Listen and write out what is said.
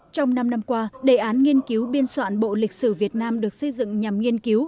trong năm năm qua đề án nghiên cứu biên soạn bộ lịch sử việt nam được xây dựng nhằm nghiên cứu